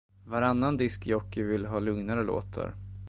Varannan diskjockey vill ha lugnare låtar.